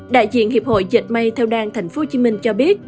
đại diện hiệp hội dịch may theo đan tp hcm cho biết